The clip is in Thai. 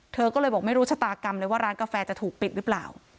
เธอก็เลยบอกไม่รู้ชะตากรรมเลยว่าร้านกาแฟจะถูกปิดหรือเปล่า